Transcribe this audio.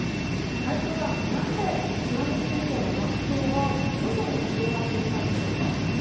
内藤さん、なぜ津波注意報の発表が徐々に広がっていったんでしょうか。